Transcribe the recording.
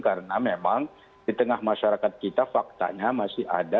karena memang di tengah masyarakat kita faktanya masih ada